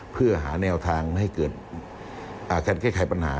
เพื่อหาแนวทางให้เกิดการแก้ไขปัญหา